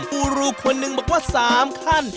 ครูรูคนหนึ่งบอกว่า๓ขั้น